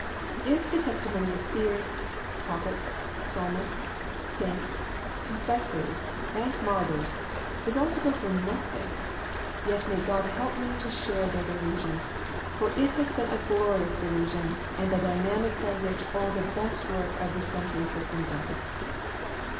If the testi mony of seers, prophets, psalmists, saints, confess ors and martyrs is all to go for nothing ; yet may God help me to share their delusion, for it has been a glorious delusion and the dynamic by which all the best work of the centuries has been done.